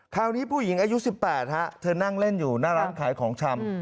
คราวนี้ผู้หญิงอายุ๑๘เธอนั่งเล่นอยู่หน้าร้านขายของชำ